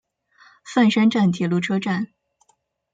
饭山站铁路车站。